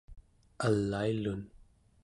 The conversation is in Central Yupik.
alailun